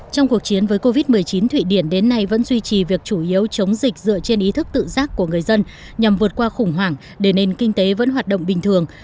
trong cuộc chiến với covid một mươi chín thụy điển đến nay vẫn duy trì việc chủ yếu chống dịch dựa trên ý thức tự giác của người dân nhằm vượt qua khủng hoảng để nền kinh tế vẫn hoạt động bình thường